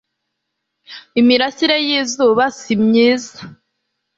imirasire y izuba si myiza